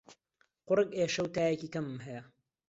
قوڕگ ئێشە و تایەکی کەمم هەیە.